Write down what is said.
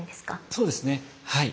そうですねはい。